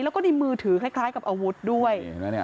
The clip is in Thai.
แล้วก็ในมือถือคล้ายกับอาวุธด้วย